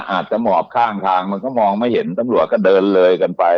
อาจจะหมอบข้างทางมันก็มองไม่เห็นตำรวจก็เดินเลยกันไป